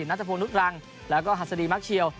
นัทพงศ์นุษย์รังแล้วก็หัสดีมักเชียว